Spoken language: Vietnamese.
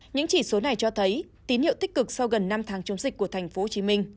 những chỉ số này cho thấy tín hiệu tích cực sau gần năm tháng chống dịch của tp hcm